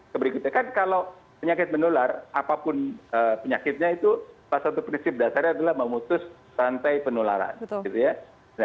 sebenarnya kalau penyakit menular apapun penyakitnya itu satu prinsip dasarnya adalah memutus rantai penularan